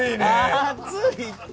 暑いって！